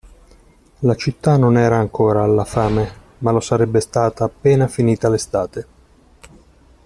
La città non era ancora alla fame, ma lo sarebbe stata appena finita l'estate.